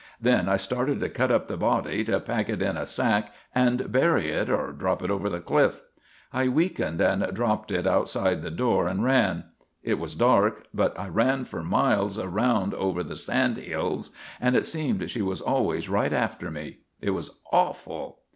Then I started to cut up the body to pack it in a sack and bury it or drop it off the cliff. I weakened and dropped it outside the door and ran. It was dark but I ran for miles around over the sandhills and it seemed she was always right after me. It was awful.